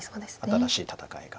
新しい戦いが。